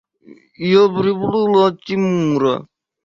– Я приплыла от Тимура.